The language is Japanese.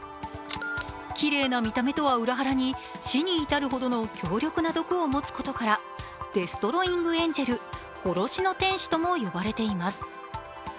きれいな見た目とは裏腹に死に至るほどの強力な毒を持つことからデストロイングエンジェル＝殺しの天使とも呼ばれています。